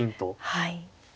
はい。